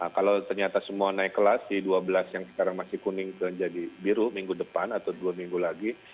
kalau ternyata semua naik kelas di dua belas yang sekarang masih kuning jadi biru minggu depan atau dua minggu lagi